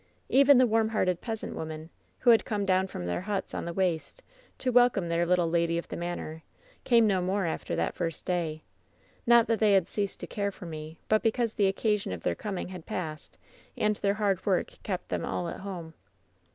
Even the warm hearted peasant women, who had come down from their huts on the waste to welcome their little lady of the manor, came no more after that first day — ^not that they had ceased to care for me, but because the occasion of their coming had passed, and their hard work kept them all at home.